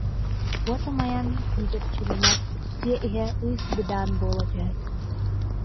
Уот умайан күүдэпчилэнэр, дьиэ иһэ ыыс-быдаан буола түһэр